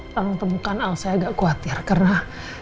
kamu temukan al saya agak khawatir karena